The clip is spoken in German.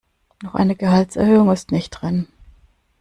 Noch eine Gehaltserhöhung ist nicht drin.